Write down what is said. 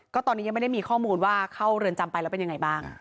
ก็ตอนนี้ยังไม่ได้มีข้อมูลว่าเข้าเรือนจำไปแล้วเป็นยังไงบ้าง